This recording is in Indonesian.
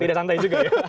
tidak santai juga ya